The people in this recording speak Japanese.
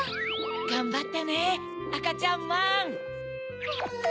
がんばったねあかちゃんまん！